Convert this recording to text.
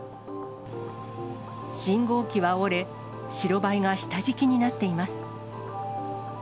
信号機は折れ、白バイが下敷きになっています。